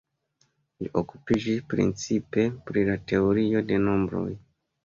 Li okupiĝis precipe pri la teorio de nombroj.